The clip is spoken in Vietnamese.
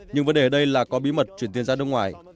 nhưng vấn đề ở đây là có bí mật chuyển tiền ra nước ngoài